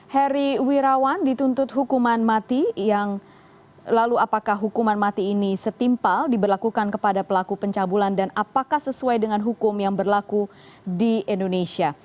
heri wirawan dituntut hukuman mati yang lalu apakah hukuman mati ini setimpal diberlakukan kepada pelaku pencabulan dan apakah sesuai dengan hukum yang berlaku di indonesia